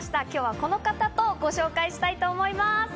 今日はこの方とご紹介したいと思います。